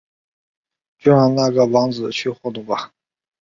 就让那个王子去晃动吧！